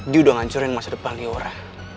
dia udah ngancurin masa depan diora